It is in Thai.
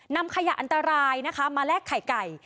นำขยะอันตรายนะคะมาแลกไข่ไก่